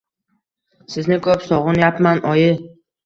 Sizni ko‘p sog‘inyapman oyi.